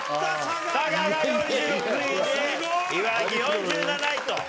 佐賀が４６位で茨城４７位と。